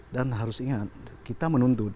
dan harus ingat kita menuntut